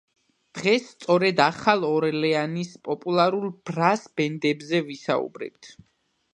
დღეს სწორედ ახალ ორლეანის პოპულარულ ბრას ბენდებზე ვისაუბრებთ.